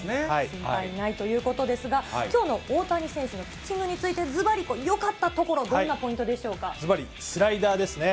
心配ないということですが、きょうの大谷選手のピッチングについて、ずばり、よかったところ、ずばり、スライダーですね。